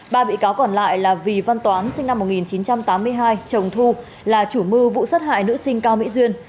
ba bị cáo còn lại là vì văn toán sinh năm một nghìn chín trăm tám mươi hai chồng thu là chủ mưu vụ sát hại nữ sinh cao mỹ duyên